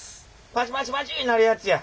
パチパチパチなるやつや。